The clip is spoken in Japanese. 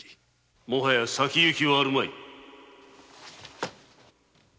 ・もはや先ゆきはあるまい。